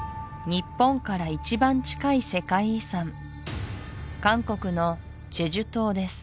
日本から一番近い世界遺産韓国の済州島です